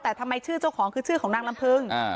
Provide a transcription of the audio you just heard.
แต่ทำไมชื่อเจ้าของคือชื่อของนางลำพึง